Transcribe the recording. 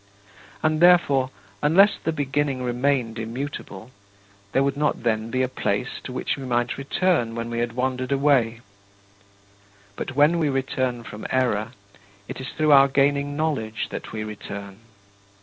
And therefore, unless the Beginning remained immutable, there would then not be a place to which we might return when we had wandered away. But when we return from error, it is through our gaining knowledge that we return.